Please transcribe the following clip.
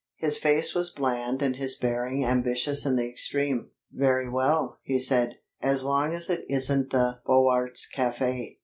His face was bland and his bearing ambitious in the extreme. Very well, he said; as long as it isn't the Beaux Arts café.